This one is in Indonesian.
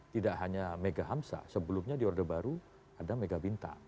tidak hanya mega hamsa sebelumnya di orde baru ada mega bintang